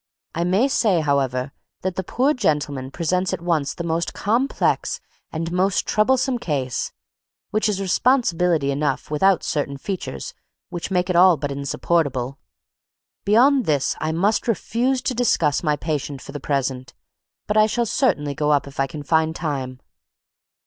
I may say, however, that that poor gentleman presents at once the most complex and most troublesome case, which is responsibility enough without certain features which make it all but insupportable. Beyond this I must refuse to discuss my patient for the present; but I shall certainly go up if I can find time."